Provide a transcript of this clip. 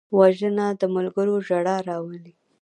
وژنه د ملګرو ژړا راولي